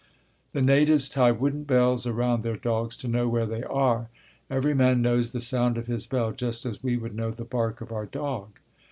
The natives tie wooden bells around their dogs to know where they are. Every man knows the sound of his bell just as we would know the bark of our dog.